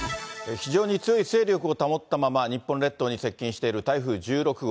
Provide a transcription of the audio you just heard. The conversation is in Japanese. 非常に強い勢力を保ったまま、日本列島に接近している台風１６号。